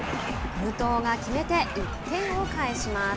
武藤が決めて１点を返します。